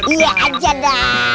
iya aja dah